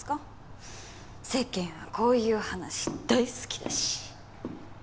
世間はこういう話大好きだし。